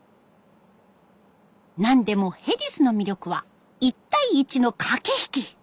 なんでもヘディスの魅力は１対１の駆け引き。